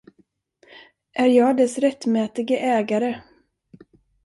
Är jag dess rättmätige ägare.